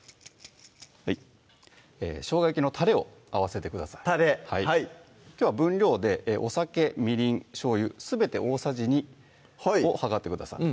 しょうが焼きのたれを合わせてくださいたれはいきょうは分量でお酒・みりん・しょうゆすべて大さじ２を量ってください